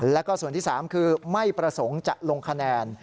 แล้วก็ส่วนที่๓คือไม่ประสงค์จะลงคะแนน